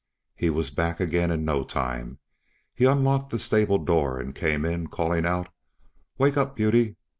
He was back again in no time; he unlocked the stable door, and came in, calling out, "Wake up, Beauty!